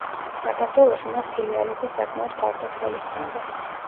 საქართველოში მას ფილიალების საკმაოდ ფართო ქსელი ჰქონდა.